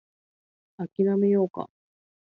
諦めようか